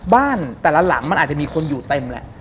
บ้านแต่ละหลังมันอาจจะมีคนอยู่เต็มแหละ